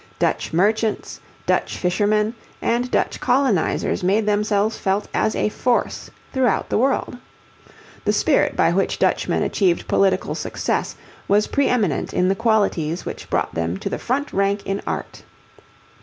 Dutch merchants, Dutch fishermen, and Dutch colonizers made themselves felt as a force throughout the world. The spirit by which Dutchmen achieved political success was pre eminent in the qualities which brought them to the front rank in art.